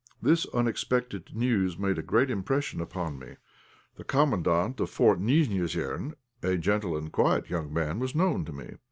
This unexpected news made a great impression upon me. The Commandant of Fort Nijnéosern, a gentle and quiet young man, was known to me.